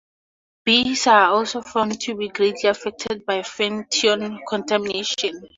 Bees are also found to be greatly affected by fenthion contamination.